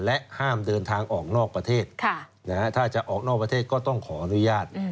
และห้ามเดินทางออกนอกประเทศถ้าจะออกนอกประเทศก็ต้องขออนุญาต